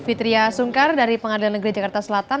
fitriah sungkar dari pengadilan negeri jakarta selatan